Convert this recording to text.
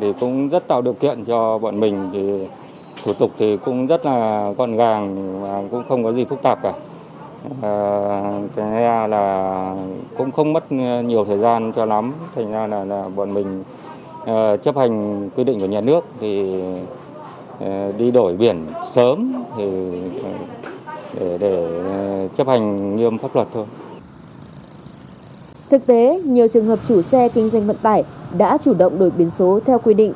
thực tế nhiều trường hợp chủ xe kinh doanh vận tải đã chủ động đổi biển số theo quy định